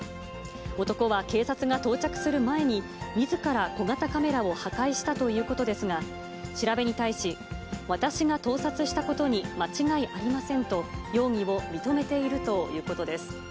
男は警察が到着する前に、みずから小型カメラを破壊したということですが、調べに対し、私が盗撮したことに間違いありませんと、容疑を認めているということです。